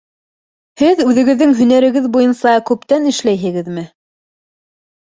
Һеҙ үҙегеҙҙең һөнәрегеҙ буйынса күптән эшләйһегеҙме?